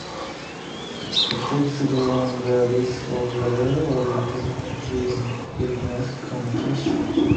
The text goes on to discuss the role of technology in business communication.